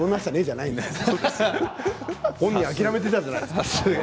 本人、諦めていたじゃないですか。